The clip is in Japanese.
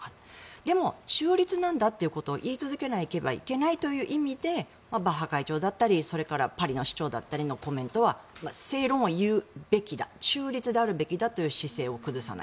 でも、中立なんだということを言い続けなければいけないという意味でバッハ会長だったりそれからパリの市長だったりのコメントは正論は言うべきだ中立であるべきだという姿勢を崩さない。